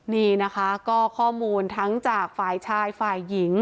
นี่นะคะก็ข้อมูลทั้งจากฝ่ายชายฝ่ายหญิง